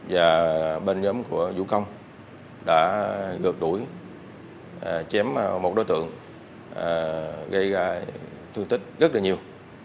và bên nhóm của vũ công đã ngược đuổi chém một đối tượng gây ra thương tích rất là nhiều